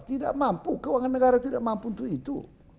tidak mampu keuangan negara tidak mampu untuk itu